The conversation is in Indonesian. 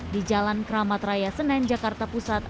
di jalan keramat raya senen jakarta pusat